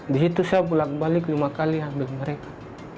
di situ saya bolak balik lima kali ambil mereka